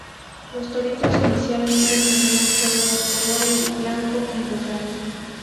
Los toritos inicialmente tenían solo dos colores: blanco y nogal.